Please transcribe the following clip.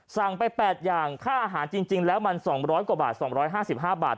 สั่งไป๘อย่างค่าอาหารจริงแล้วมัน๒๐๐กว่าบาท๒๕๕บาท